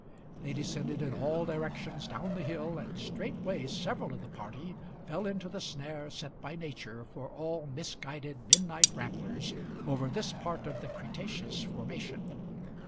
They descended in all directions down the hill, and straightway several of the parties fell into the snare set by nature for all misguided midnight ramblers over the lower cretaceous formation.